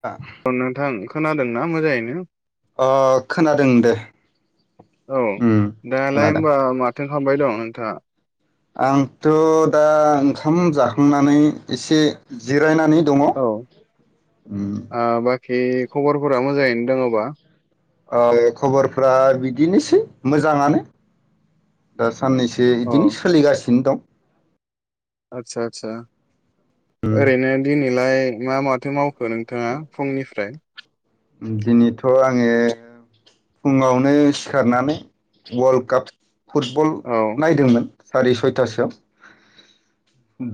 अ ओं नोंथां खोनादों। ना मोजांयैनो अ खोनादों दे। औ उम दालाय खोनादों होमबा माथो खालामबाय दं नोंथाङा? आंथ' दा ओंखाम जाखांनानै एसे जिरायनानै दङ औ उम आ बा खि खबरफोरा मोजाङैनो दङबा? ओ खबरफ्रा बिदिनोसै मोजाङानो ओ साननैसो अ इदिनो सोलिगासिनो दं। आदसा आदसा उम ओरैनो दिनैलाय मा माथो मावखो नोंथाङा फुंनिफ्राय? दिनैथ' आङो फुङावनो सिखारनानै वल्ड काप फुटबल औ नायदोंमोन। सारि सयथासोआव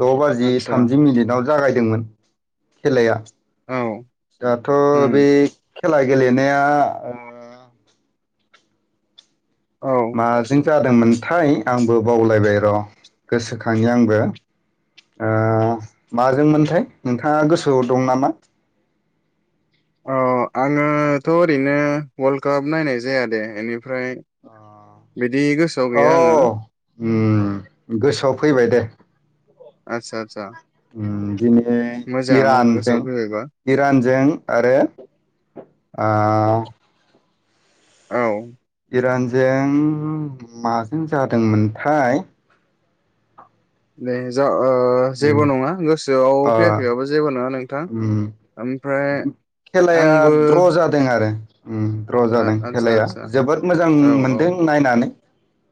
द' बाजि आदसा थामजि मिनिटआव जागायदोंमोन खेलाया। औ जाहाथ' उम बे खेला गेलेनाया ओ औ माजों जादोंमोनथाय आंबो बावलायबाय र' गोसोखांनि आंबो ओ माजोंमोनथाय नोंथाङा गोसोआव दं नामा? अ आङोथ' ओरैनो वाल्ड काप नायनाय जाया दे एनि फ्राय बिदि गोसोआव गैया आङो ओम गोसोआव फैबाय दे। आदसा आदसा दिनै मोजाङानो इरानजों गोसोआव फैबायबा इरानजों आरो आ औ इरानजों माजों जादोंमोनथाय नैजौ ओ जेबो उम नङा गोसोआव अ फैयाखैबाबो जेबो नङा नों उम ओमफ्राय खेलाया आंबो द्र' जादों आरो उम द्र' आ जादों आदसा खेलाया आदसा जोबोद मोजां औ औ मोनदों नायनानै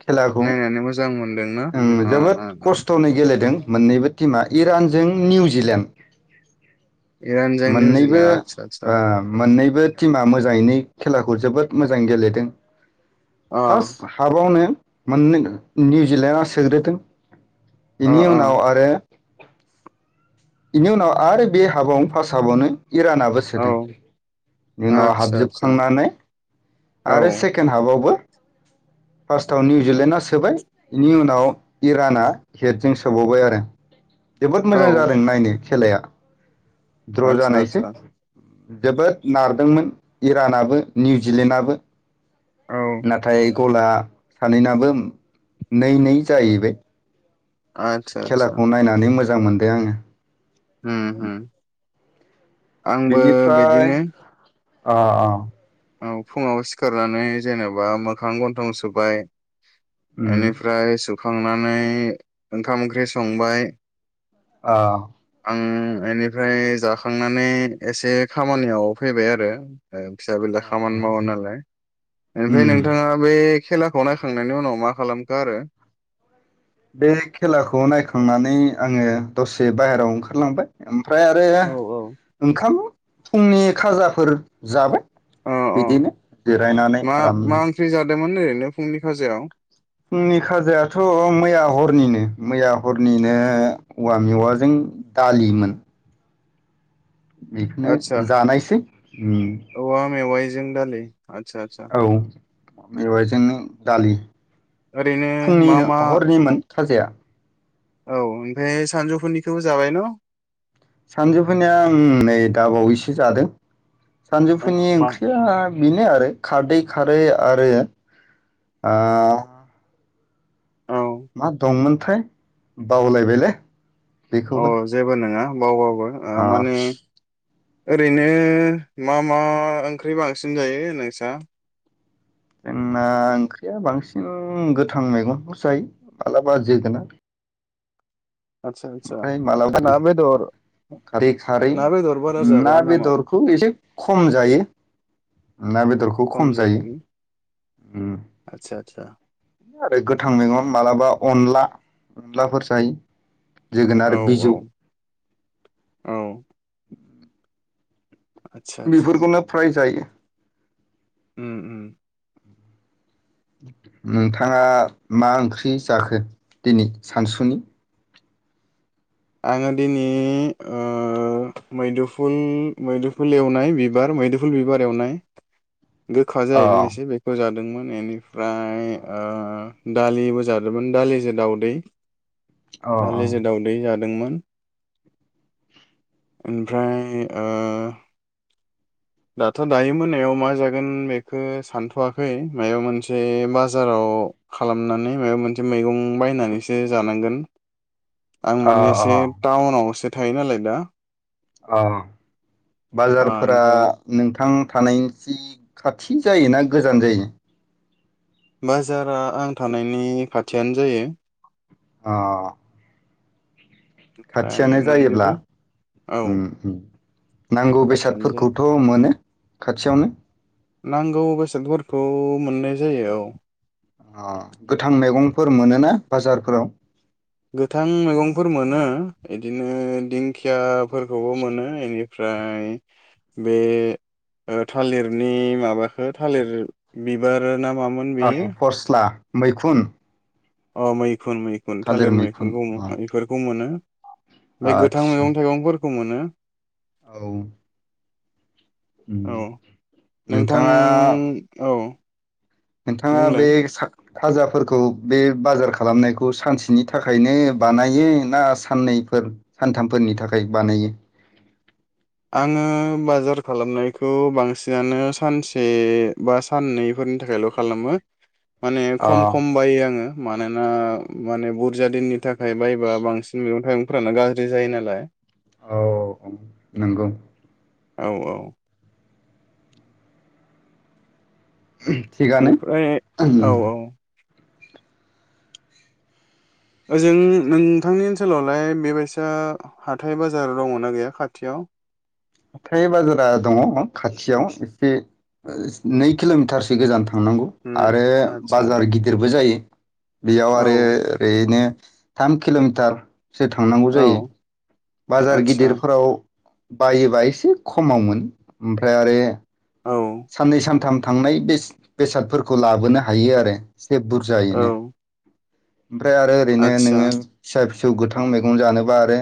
खेलाखौ नायनानै मोजां मोनदोंना ओ जोबोद ओ ओ खस्थ'नै गेलेदों मोननैबो टिमआ इरानजों निउजिलेण्ड इरान जों निउजिलेण्ड आतसा आ मोननैबो टिमा मोजाङैनो खेलाखौ जोबोद मोजां गेलेदों अ फार्स्ट हाबावनो मोननै निउजिलेण्डआ सोग्रोदों अ बेनि उनाव आरो बेनि उनाव आरो बे हाबाव फार हाबावनो इरानाबो औ उनाव आदसा आदसा हाबजोबखांनानै औ आरो सेकेण्ड आव बावबो फार्स्टआव निउजिलेण्डआ सोबाय बेनि उनाव इराना गेटजों सोबावबाय आरो जोबोद औ मोजां जादों नायनो खेलाया द्र आदसा जानायसै आदसा जोबोद नारदोंमोन इरानाबो निउजिलेण्डआबो औ नाथाय गला सानैनाबो नै- नै जाहैबाय आतसा -आतसा खेलाखौ नायनानै मोजां मोनदों आंङो होम- होम आंबो बिनिफ्राय बिदिनो अ अ औ फुंङाव सिखारनानै जेनेबा मोखां गन्थं सुबाय उम एनिफ्राय सु खांनानै ओंखाम ओंख्रि संबाय ओ ओम एनिफ्राय जाखांनानै एसे खामानियाव फैबाय आरो अ अ खामानि मावो नालाय ओमफ्राय उम नोंथाङा बे खेलाखौ नायखांनायनि उनाव मा खालामखो आरो बे खेलाखौ नायखांनानै आंङो दसे बाहेरायाव ओंखारलांबाय ओम ओमफ्राय आरो औ औ ओंखाम फुंनि खाजाफोर जाबाय । अ अ बिदिनो जिरायनानै आराम। दोंमोन ओरैनो फुंनि काजायाव? फुंनि खाजायाथ मैया हरनिनो मैया हरनिनो औवा मेवाजों दालिमोन। बेखौनो आदसा जानायसै ओम। जों दालि। आदसा आदसा औ मेवयाइजोंनो दालि ओरैनो मा फुंनिनो मा हरनिमोन। खाजाया। औ ओमफ्राय सानजौफुनिखौबो जाबाय न सानजुफनिया आं नै दाबावैसो जादों। सानजौफुनि मा ओंख्रिया बेनो आरो खारदै खारै आरो ओ औ मा दंमोन थाय बावलायबायलै। अ बेखौबो जेबो नोङा। बावबाबो अ माने ओरैनो मा मा ओंख्रि बांसिन जायो नोंस्रा? जोंना ओंख्रिया बांसिन गोथां मैगंखौ जायो मालाबा जोगोनार। आतसा आतसा ओमफ्राय मालाबा ना बेदर खारै खारै ना बेदर बारा ना जाबा नामा बेदरखौ एसे खम जायो। ना बेदरखौ खम जायो । उम। आदसा आदसा। आरो गोथां मैगं मालाबा अनला अनलाफोर जायो । औ जोगोनार औ बिजौ औ आदसा आदसा बेफोरखौनो फ्राय जायो। उम उम। नोंथाङा मा ओंख्रि जाखो दिनै सानसुनि? आङो दिनिओ मैदुफुल मैदुफुल एवनाय बिबार मैदुफुल बिबार एवनाय। गोखा अ जायोना एसे बेखौ जादों। दोंमोन एनि फ्राय अ ओ दालिबो जादोमोन दालिजो दाउदै। अ दालिजो दाउदै जादो दोंमोन ओमफ्राय ओ दाथ' दायो मोनायाव मा जागोन बेखो सानथ'वाखै मायबा मोनसे बाजाराव खालामनानै माबा मोनसे मैगं बायनानैसो जानांगोन आं अ माने अ एसे टाउनआवसो थायो नालाय दा औ ओ बाजारफोरा ओमफ्राय नोंथां थानायनि सि खाथि जायोना गोजान जायो? बाजारा आं थानायनि खाथियानो जायो अ ओमफ्राय खाथियानो जायोब्ला मोनजोबो औ उम नांगौ खाथियानो जायो बेसादफोरखौथ' मोनो खाथियावनो नांगौ बेसादफोरखौ मोननाय जायो औ अ गोथां मैगंफोर मोनोना बाजारफोराव गोथां मैगंफोर मोनो इदिनो दिंखिया फोरखौबो मोनो इनि फ्राय बे ओ थालिरनि माबाखो थालिर बिबार ना मामोन ओं बेयो फस्ला मैखुन अ मै मैखुन मैखुन थालिर मैखुन बुङो इफोरखौ मोनो बै गोथां आदसा मैगं थाइगंफोर खौ मोनो औ औ नोंथां नोंथाङा औ नोंथाङा बुंलाय बे [unintelligible] खाजाफोरखौ बे बाजार खालामनायखौ सानसेनि थाखायनो बानायो ना साननैफोर सानथामफोरनि थाखाय बानायो? आङो बाजार खालामनायखौ बांसिनानो सानसे बा साननैफोरनि थाखायल' खालामो। माने अ खम खम बायो आङो मानोना माने बहुद [unintelligible] थाखाय बायोबा बांसिन मेगं थाइगं फोरानानो गाज्रि जायो नालाय औ उम नंगौ। औ औ थिगानो ओमफ्राय उम औ औ ओजों नोंथांनि ओनसोलावलाय बेबायसा हाथाय बाजार दङना गैया खाथियाव? थाय बाजारा दङ खाथियाव एसे ओ नै किल'मिटारसो गोजान थांनांगौ नो आरो आदसा बाजार गिदिरबो जायो बेयाव औ आरो ओरैनो थाम किल'मिटार सो थांनांगौ जायो औ बाजार आदसा गिदिरफोराव बायोबा एसे खमावमोन ओमफ्राय आरो औ साननै सानथाम थांनाय बेस बेसादफोरखौ लाबोनो हायो आरो एसे औ बुरजायैनो ओमफ्राय आरो ओरैनो आदसा नोङो फिसा फि सौ गोथां मैगं जानोबा आरो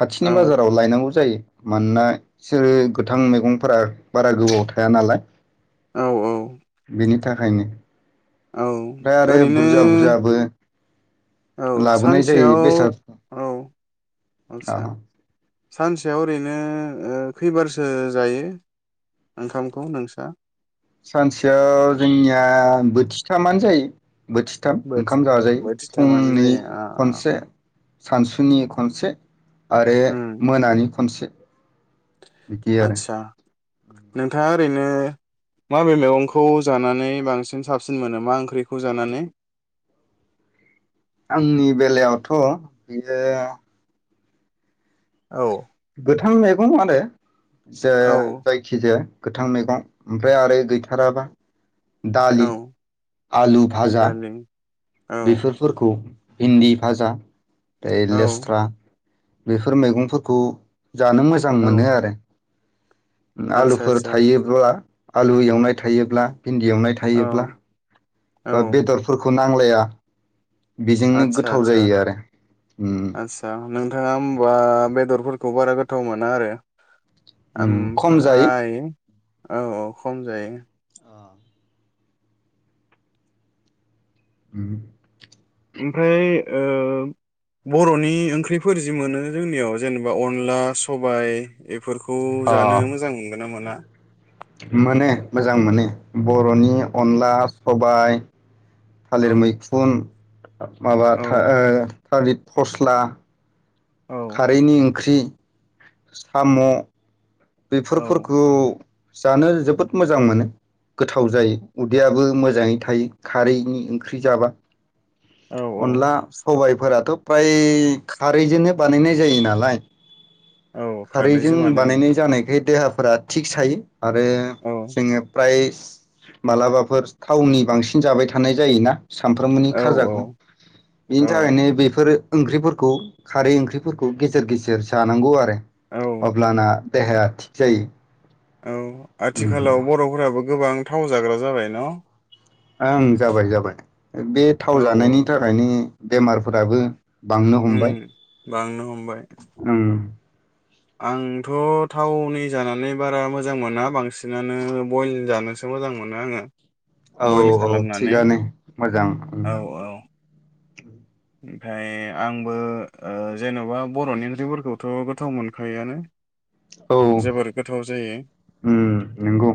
खाथिनि औ बाजाराव लायनांगौ जायो मानोना बिसोरो गोथां मैगंफोरा बारा गोबाव थाया नालाय [inaudible] [inaudible] औ औ बेनि थाखायनो औ ओमफ्राय आरो ओरैनो बुरजा बुरजाबो औ लाबोनाय जायो सानसेयाव बेसाद औ आचसा सानसेयाव ओरैनो ओ खैबारसो जायो ओंखामखौ नोंसा सानसेयाव जोंनिया बोथिथामानो जायो बोथिथाम बोथि ओंखाम जाजायो बोथिथामानो फुंनि जायो आ आ खनसे सानसुनि खनसे आरो मोनानि खनसे बिदि आरो आतसा नोंथाङा ओरैनो माबे मैगंखौ जानानै बांसिन साबसिन मोनो मा ओंख्रिखौ जानानै आंनि बेलायावथ बेयो औ गोथां मैगं आरो जो औ जायखिजाया गोथां मैगं ओमफ्राय आरो गैथाराबा दालि औ आलु भाजा दालि औ बेफोर फोरखौ भेन्दी भाजा ए औ लेस्रा बेफोर मैगंफोरखौ जानो मोजां औ मोनो आरो आदसा आलुफोर आदसा थायोब्ला आलु एवनाय थायोब्ला भिन्दि एवनाय औ थायोब्ला औ बा बेदरफोरखौ नांलाया बेजोंनो आदसा गोथाव आदसा जायो आरो उम बा बेदरफोरखौ बारा गोथाव मोना आरो उम ओम- खम जायो फ्राय औ औ खम जायो उम ओमफ्राय ओ बरनि ओंख्रिफोर जि मोनो जोंनियाव जेनेबा अनला सबाय बेफोरखौ अ जानो मोजां मोनगोन ना मोना मोनो मोजां मोनो बरनि अनला सबाय औ थालिर मैखुन माबा औ था ओ थालित फस्ला औ खारैनि ओंख्रि साम' बेफोर औ फोरखौ जानो जोबोद मोजां मोनो गोथाव जायो उदैयाबो मोजाङै थायो खारैनि ओंख्रि जाबा औ औ अनला सबाय फोराथ फ्राय खारैजोंनो बानायनाय जायो नालाय औ खारदैजो बानायोमोन होननायखाय देहाफोरा थिग थायो आरो औ जोंङो फ्राय मालाबाफोर थावननि बांसिन जाबाय थानाय जायोना सानफ्रोमबोनि औ खाजाखौ बिनि औ थाखायनो बेफोर ओंख्रिफोरखौ खारै ओंख्रिफोरखौ गेजेर गेजेर जानांगौ आरो औ अब्लाना देहाया थिग जायो औ आथिखालाव बर'फोराबो गोबां थाव जाग्रा जाबाय न ओं जाबाय जाबाय बे थाव औ जानायनि थाखायनो बेमारफोराबो बांनो उम हमबाय । बांनो हमबाय । ओं आंथ' थावनि जानानै बारा मोजां मोना बांसिनानो बयल जानोसो मोजां मोनो आंङो । औ औ थिगआनो मोजां ओं औ । औ ओमफ्राय आंबो जेन'बा बर'नि ओंख्रिफोरखौथ' गोथाव मोनखायोआनो । ओम जोबोर गोथाव जायो । नंगौ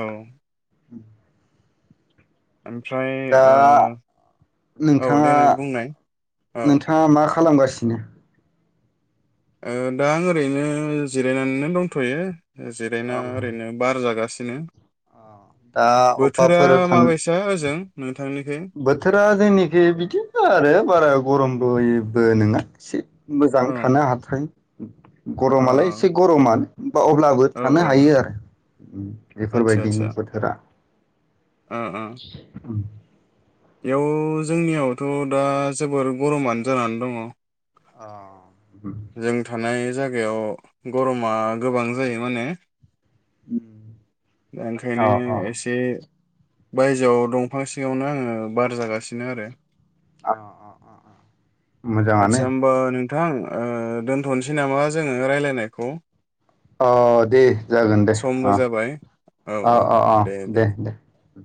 औ ओमफ्राय दा ओ औ नोंथांङा देनाय बुंनाय औ नोंथांङा मा खालामगासिनो? सिनो ओ दा आं ओरैनो जिरायनानैनो दंथ'यो । जिरायना औ ओरैनो बार जागासि सिनो दा बोथोरा अबेबाफोर थां माबायसा ओजों? नोंथांनिखै बोथोरा जोंनिखि बिदिनो आरो बारा गरम बयबो नङा एसे मोजां औ थानो हाथथाय [unintelligible] अ गरमालाय एसे गरमानो । बा अब्लाबो औ थानो औ हायो आरो उम्म आदसा बेफोरबायदिनो आदसा बोथोरा । उम्म बेयाव जोंनियावथ दा जोबोर गरमानो जानानै दंङ । अ जों थानाय जागायाव गरमा गोबां जायो माने उम्म दा ओंखायनो एसे बायजोआव दंफां सिङावनो आंङो बार जागासिनो आरो । अ अ अ अ आदसा होमबा नोंथां ओ दोनथ'नसै नामा जोंङो रायलायनायखौ? अ दे जागोन दे समबो अ जाबाय अ अ अ दे दे ।